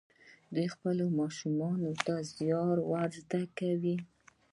دوی خپلو ماشومانو ته زیار ور زده کوي.